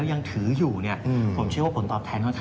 สักเกือบ๑๐แล้วนะ